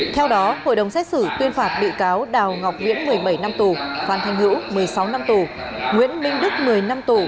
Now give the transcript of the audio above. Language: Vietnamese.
theo đó hội đồng xét xử tuyên phạt bị cáo đào ngọc viễn một mươi bảy năm tù phan thanh hữu một mươi sáu năm tù nguyễn minh đức một mươi năm tù